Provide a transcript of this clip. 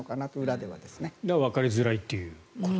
だからわかりづらいと。